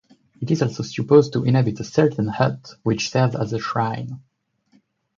It is also supposed to inhabit a certain hut which serves as a shrine.